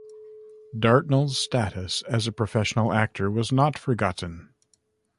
Dartnell's status as a professional actor was not forgotten.